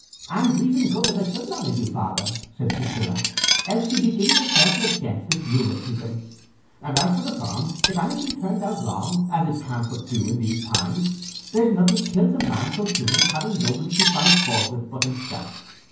"And reason good as I should manage you, father," said Priscilla, "else you'd be giving yourself your death with rheumatism. And as for the farm, if anything turns out wrong, as it can't but do in these times, there's nothing kills a man so soon as having nobody to find fault with but himself.